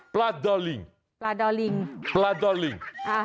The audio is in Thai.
ปลาดอลิง